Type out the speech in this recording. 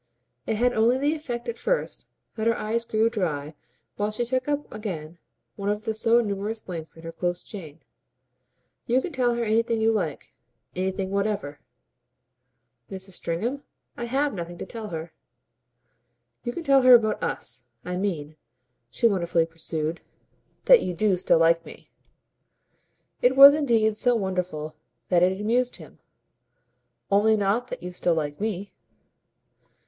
It had only the effect at first that her eyes grew dry while she took up again one of the so numerous links in her close chain. "You can tell her anything you like, anything whatever." "Mrs. Stringham? I HAVE nothing to tell her." "You can tell her about US. I mean," she wonderfully pursued, "that you do still like me." It was indeed so wonderful that it amused him. "Only not that you still like me."